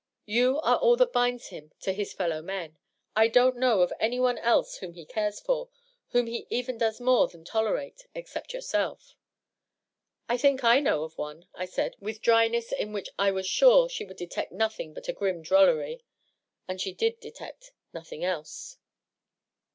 You are all that binds him to his fellow men. I don't know of any one else whom he cares for, whom he even does more than tolerate, except yourself." " I think I know of one," I said, with ^ryne88 in which I was sure she would detect nothing but a grim drollery ; and she did detect nothing else.